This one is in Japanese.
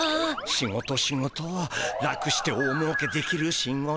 仕事仕事楽して大もうけできる仕事。